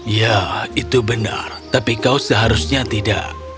ya itu benar tapi kau seharusnya tidak